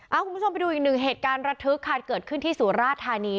เอาคุณผู้ชมไปดูอีกหนึ่งเหตุการณ์ระทึกค่ะเกิดขึ้นที่สุราธานี